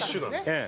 ええ。